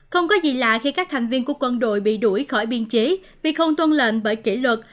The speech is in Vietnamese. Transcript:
không có gì lạ khi các thành viên của quân đội bị đuổi khỏi biên chế vì không tuân lệnh bởi kỷ luật